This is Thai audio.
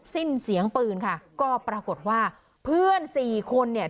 สิ้นเสียงปืนค่ะก็ปรากฏว่าเพื่อนสี่คนเนี่ย